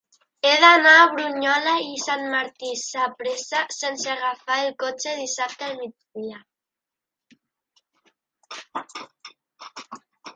He d'anar a Brunyola i Sant Martí Sapresa sense agafar el cotxe dissabte al migdia.